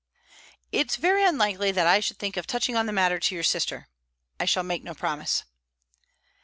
"It's very unlikely that I should think of touching on the matter to your sister. I shall make no promise."